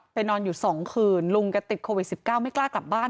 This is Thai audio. ไปนอนอยู่สองคืนลุงก็ติดโควิดสิบเก้าไม่กล้ากลับบ้าน